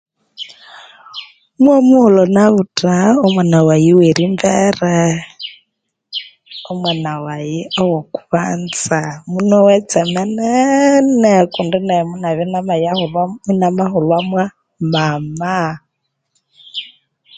Mwo mughulhu nabutha omwana waghi owerimbere omwana waghi owokubanza munogha etsemenene kundi nayi munabya inamaya huba inamayahulhwamo mama